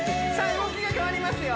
動きが変わりますよ